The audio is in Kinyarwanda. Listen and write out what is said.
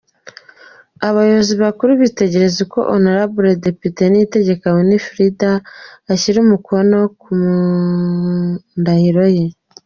Abayobozi bakuru bitegereza uko Hon Depite Niyitegeka Winfred ashyira umukono ku ndahiro ye.